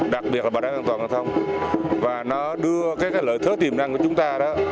đặc biệt là bản đoàn an toàn cộng thông và nó đưa các lợi thớ tìm năng của chúng ta